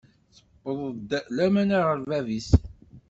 Tewweḍ lamana ɣer bab-is.